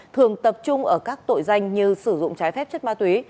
thường tập trung ở các tội danh như sử dụng trái phép chất ma túy